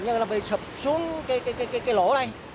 nhưng mà nó bị sập xuống cái lỗ đây